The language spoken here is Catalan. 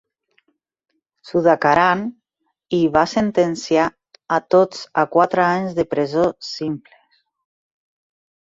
Sudhakaran, i va sentenciar a tots a quatre anys de presó simples.